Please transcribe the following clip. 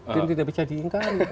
jadi tidak bisa diingkari